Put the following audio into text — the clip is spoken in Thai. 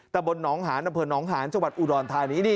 แต่บนหนองหานดำเผือนหนองหานจังหวัดอุดรณฑานี